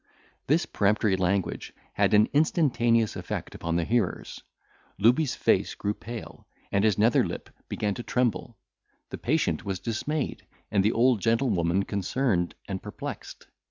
This peremptory language had an instantaneous effect upon the hearers. Looby's face grew pale, and his nether lip began to tremble. The patient was dismayed, and the old gentlewoman concerned and perplexed.